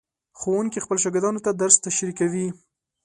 ښوونکي خپلو شاګردانو ته درس تشریح کوي.